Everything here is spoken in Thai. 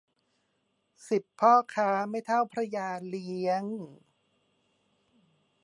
สิบพ่อค้าไม่เท่าพระยาเลี้ยง